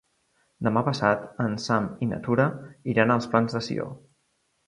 Demà passat en Sam i na Tura iran als Plans de Sió.